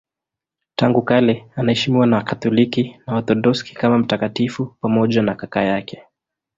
Tangu kale anaheshimiwa na Wakatoliki na Waorthodoksi kama mtakatifu pamoja na kaka yake.